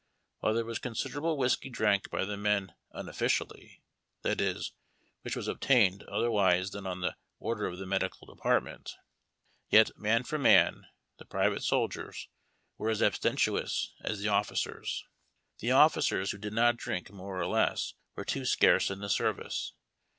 While there was considerable whiskey drank by the men '•' unofticiully," that is, which was obtained otherwise than on the order of the medical department, yet, man for man, the private sol diers were as abstemious as the officers. The ofiicers who did not drink more or less were too scarce in the service.